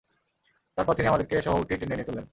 তারপর তিনি আমাদেরকে সহ উটটি টেনে নিয়ে চললেন।